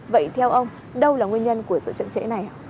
vậy theo ông đâu là nguyên nhân của sự chậm trễ này ạ